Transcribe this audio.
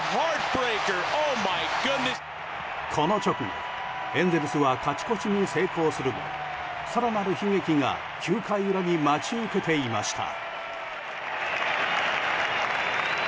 この直後、エンゼルスは勝ち越しに成功するも更なる悲劇が９回裏に待ち受けていました。